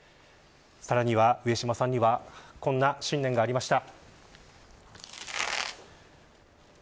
さらには、上島さんにはこんな信念がありました。